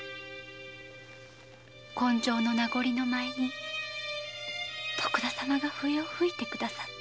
今生の名残の舞に徳田様が笛を吹いて下さった。